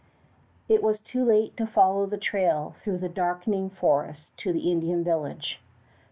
It was too late to follow the trail through the darkening forest to the Indian village.